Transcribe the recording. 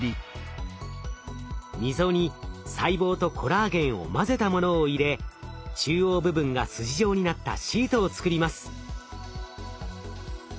溝に細胞とコラーゲンを混ぜたものを入れ中央部分が筋状になったシートを作ります。